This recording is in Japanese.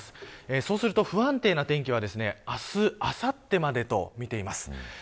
そうすると不安定な天気は明日、あさってまでとみています。